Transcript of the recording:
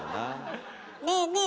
ねえねえ